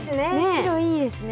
白いいですね。